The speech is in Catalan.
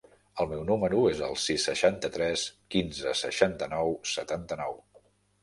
El meu número es el sis, seixanta-tres, quinze, seixanta-nou, setanta-nou.